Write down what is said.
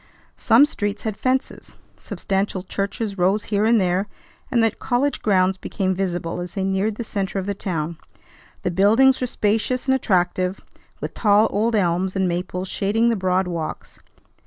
Some streets had fences. Substantial churches rose here and there, and the college grounds became visible as they neared the centre of the town. The buildings were spacious and attractive, with tall old elms and maples shading the broad walks.